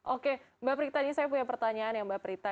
oke mbak prita ini saya punya pertanyaan ya mbak prita